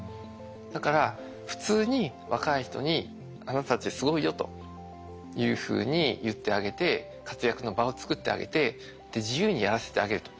だから普通に若い人に「あなたたちすごいよ」というふうに言ってあげて活躍の場を作ってあげて自由にやらせてあげると。